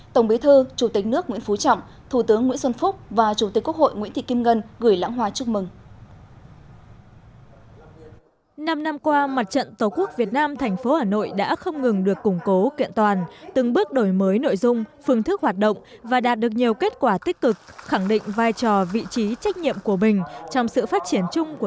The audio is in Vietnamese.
tổng bí thư chủ tịch nước nguyễn phú trọng thủ tướng nguyễn xuân phúc và chủ tịch quốc hội nguyễn thị kim ngân gửi lãng hoa chúc mừng